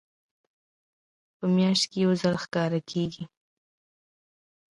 په میاشت کې یو ځل ښکاره کیږي.